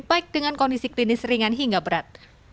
baik dengan kondisi klinis ringan hingga berat